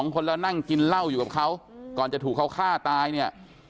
คนแล้วนั่งกินเหล้าอยู่กับเขาก่อนจะถูกเขาฆ่าตายเนี่ย